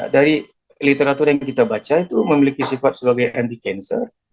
dari literatur yang kita baca itu memiliki sifat sebagai anti cancer